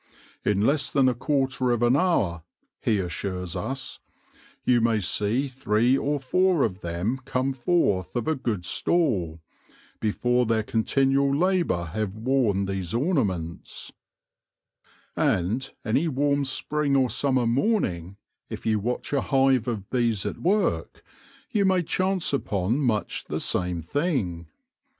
In less than a quarter of an hour/* he assures us, " you may see three or foure of them come forth of a good stall ; but chiefly in Gemini, before their continuall labour have worne these ornaments/ * And any warm spring or summer morning, if you watch a hive of bees at work, you may chance upon much the same thing.